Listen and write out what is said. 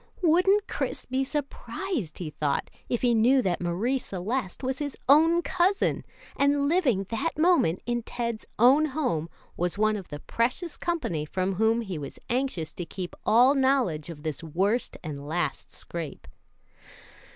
Wouldn't Chris be surprised, he thought, if he knew that Marie Celeste was his own cousin, and living that moment in Ted's own home was one of the precious company from whom he was anxious to keep all knowledge of this worst and last scrape.